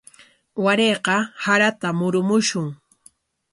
Warayqa saratam murumushun.